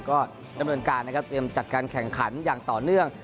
ก็ดำเนินการนะครับเตรียมจัดการแข่งขันอย่างต่อเนื่อง